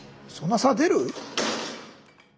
そんな差出る？